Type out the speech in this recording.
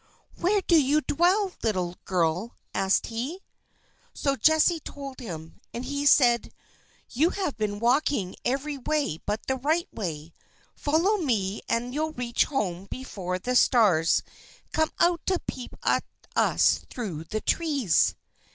"Where do you dwell, little girl?" asked he. So Jessie told him, and he said: "You have been walking every way but the right way. Follow me, and you'll reach home before the stars come out to peep at us through the trees."